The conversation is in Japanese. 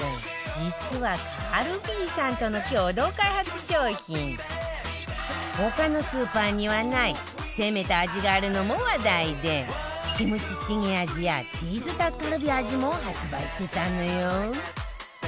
実はカルビーさんとの共同開発商品他のスーパーにはない攻めた味があるのも話題でキムチチゲ味やチーズタッカルビ味も発売してたのよ